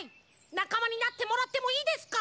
なかまになってもらってもいいですか？